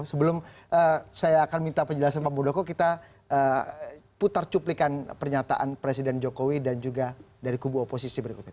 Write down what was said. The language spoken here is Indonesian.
sebelum saya akan minta penjelasan pak muldoko kita putar cuplikan pernyataan presiden jokowi dan juga dari kubu oposisi berikutnya